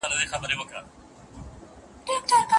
د متاهل سړي واده هیڅکله غیر قانوني نه دی.